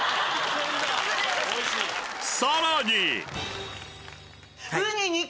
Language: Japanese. さらに！